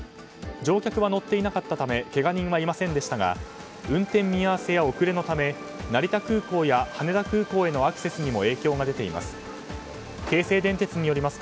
乗客は乗っていたなかったためけが人はいませんでしたが運転見合わせや遅れのため成田空港や羽田空港へのアクセスにも影響が出ています。